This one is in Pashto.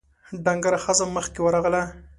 ډنګره ښځه مخکې ورغله: